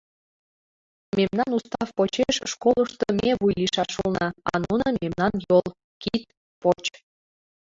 Мемнан устав почеш, школышто ме вуй лийшаш улына, а нуно — мемнан йол, кид, поч.